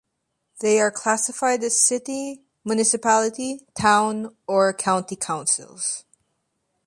They are classified as City, Municipality, Town or County councils.